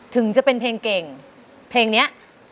ถึงจะเป็นเพลงเก่งเพลงนี้